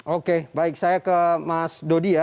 oke baik saya ke mas dodi ya